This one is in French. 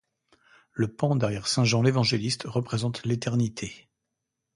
Le paon derrière saint Jean l'Évangéliste représente l'éternité.